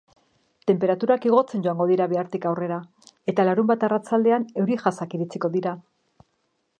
Tenperaturak igotzen joango dira bihartik aurrera, eta larunbat arratsaldean euri-jasak iritsiko dira.